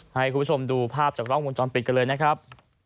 ให้คุณผู้ชมดูภาพจากกล้องวงจรปิดกันเลยนะครับ